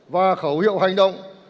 và khẩu hiệu hành động